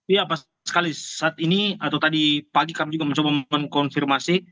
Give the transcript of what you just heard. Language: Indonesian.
iya pas sekali saat ini atau tadi pagi kami juga mencoba mengkonfirmasi